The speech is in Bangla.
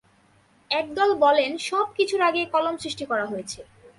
একদল বলেন, সব কিছুর আগে কলম সৃষ্টি করা হয়েছে।